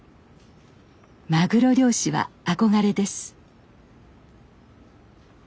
マグロ漁師は憧れです。